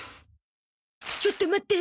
ちょっと待って。